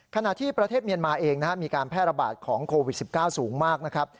ขณะที่ประเทศเมียนมาเองมีการแพร่ระบาดของโควิด๑๙สูงมากนะครับ